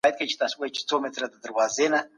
پوهنتوني استادان دا ارزوي.